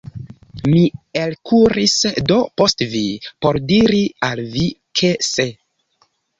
Mi elkuris do post vi, por diri al vi, ke se.